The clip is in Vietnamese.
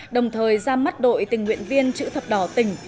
đồng thời ra mắt đội tình nguyện viên chữ thập đỏ tỉnh